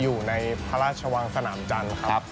อยู่ในพระราชวังสนามจันทร์ครับ